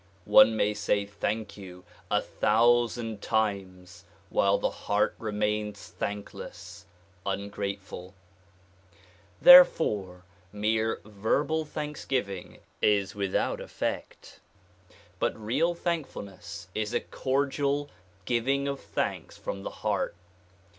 One may say "thank you" a thousand times while the heart remains thankless, ungrateful. Therefore mere verbal thanksgiving is without effect. But real thankfulness is a cordial giving of thanks from the heart.